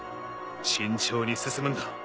慎重に進むんだ。